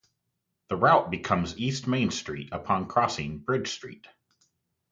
The route becomes East Main Street upon crossing Bridge Street.